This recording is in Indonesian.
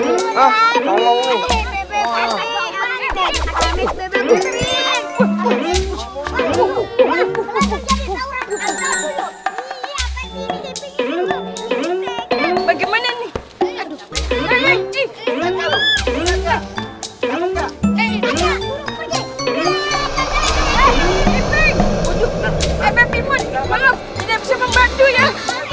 bisa membantu ya